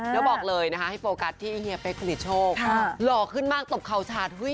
แล้วบอกเลยนะคะให้โฟกัสที่เฮียเป๊กผลิตโชคหล่อขึ้นมากตบเข่าชาติ